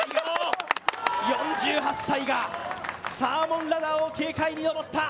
４８歳がサーモンラダーを軽快に上った。